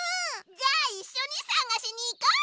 じゃあいっしょにさがしにいこう！